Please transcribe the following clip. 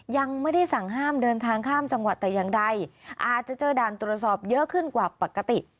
ยังไม่ได้สั่งห้ามเดินทางข้ามจังหวัดแต่อย่างใดอาจจะเจอด่านตรวจสอบเยอะขึ้นกว่าปกติ